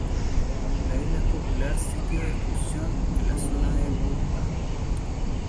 La isla es un popular sitio de excursión en la zona de Budva.